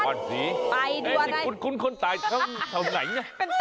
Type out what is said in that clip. นครสี่คุณคนตายทำไหนน่ะ